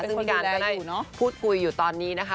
เป็นคนดูแลอยู่เนอะซึ่งพี่การก็ได้พูดคุยอยู่ตอนนี้นะคะ